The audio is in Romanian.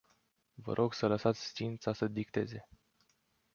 Vă rog să lăsați știința să dicteze.